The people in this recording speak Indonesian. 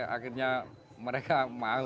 akhirnya mereka mau